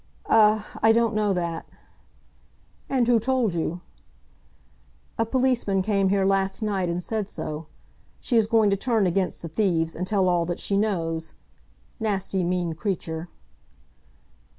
"Ah! I don't know that." "And who told you?" "A policeman came here last night and said so. She is going to turn against the thieves, and tell all that she knows. Nasty, mean creature."